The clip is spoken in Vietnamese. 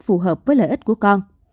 phù hợp với lợi ích của con